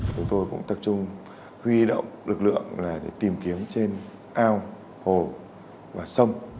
chúng tôi cũng tập trung huy động lực lượng để tìm kiếm trên ao hồ và sông